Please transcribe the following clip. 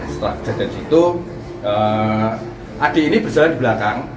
setelah kejadian itu ade ini berjalan di belakang